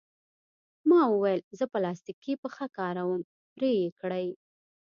ما وویل: زه پلاستیکي پښه کاروم، پرې یې کړئ.